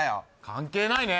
関係ないね！